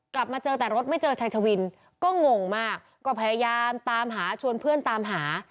กลับมาเจอแต่รถไม่เจอชายชวินก็งงมากก็พยายามตามหาชวนเพื่อนตามหา